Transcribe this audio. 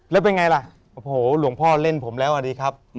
แล้วเป็นไงล่ะโอ้โหหลวงพ่อเล่นผมแล้วอดีครับ